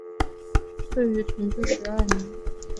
卒于同治十二年。